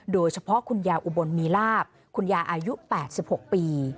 โดยเฉพาะคุณยายอุบลมีลาบคุณยายอายุ๘๖ปี